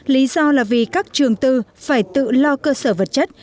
lý do là vì các trường tư phải tự lo cơ sở vật chất